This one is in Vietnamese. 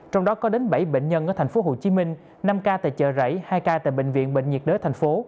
trong đó có đến bảy bệnh nhân ở tp hcm năm ca tại chợ rẫy hai ca tại bệnh viện bệnh nhiệt đới tp hcm